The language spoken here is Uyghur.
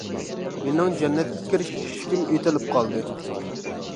مېنىڭ جەننەتكە كىرىش ئىشىكىم ئېتىلىپ قالدى.